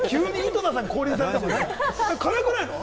急に井戸田さんが降臨されても。